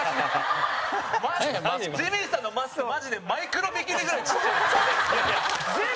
ジミーさんのマスク、マジでマイクロビキニぐらいちっちゃい。